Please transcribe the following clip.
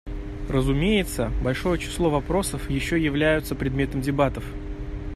Разумеется, большое число вопросов еще являются предметов дебатов.